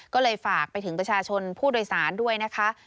ก็เลยฝากไปถึงประชาชนผู้โดยสารด้วยนะคะ